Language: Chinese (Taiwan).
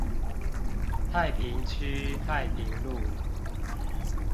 太平區太平路